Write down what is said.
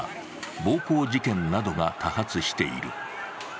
暴行事件などが多発している。